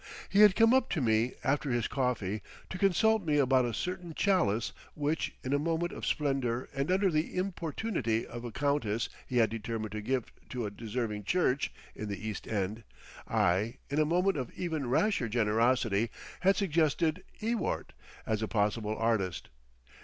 He had come up to me after his coffee to consult me about a certain chalice which in a moment of splendour and under the importunity of a countess he had determined to give to a deserving church in the east end. I, in a moment of even rasher generosity, had suggested Ewart as a possible artist.